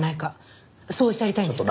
そうおっしゃりたいんですか？